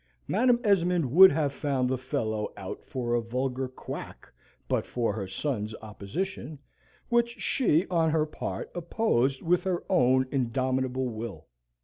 Madam Esmond would have found the fellow out for a vulgar quack but for her sons' opposition, which she, on her part, opposed with her own indomitable will.